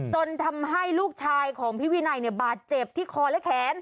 จนทำให้ลูกชายของพี่วินัยบาดเจ็บที่คอและแขน